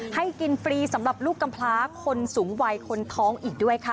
ให้กินฟรีสำหรับลูกกำพลาคนสูงวัยคนท้องอีกด้วยค่ะ